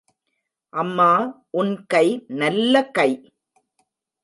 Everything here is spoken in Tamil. அம்மா உன் கை நல்ல கை.